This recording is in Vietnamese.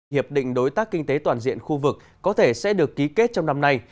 hiệp định đối tác kinh tế toàn diện khu vực có thể sẽ được ký kết trong năm nay